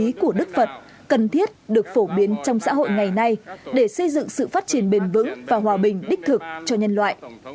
ý của đức phật cần thiết được phổ biến trong xã hội ngày nay để xây dựng sự phát triển bền vững và hòa bình đích thực cho nhân loại